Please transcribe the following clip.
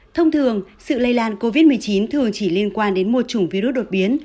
thông thường sự lây lan covid một mươi chín thường chỉ liên quan đến một chủng virus đột biến